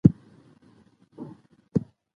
افغانستان د یورانیم له مخې پېژندل کېږي.